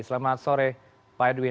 selamat sore pak edwin